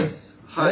はい。